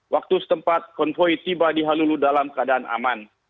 waktu setempat konvoy tiba di halulu dalam keadaan aman